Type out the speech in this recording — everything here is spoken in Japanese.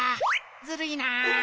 ずるいな。